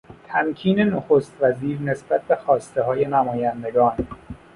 تمکین نخست وزیر نسبت به خواستههای نمایندگان